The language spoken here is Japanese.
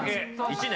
・１年？